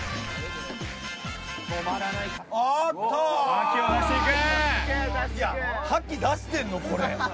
覇気を出していく！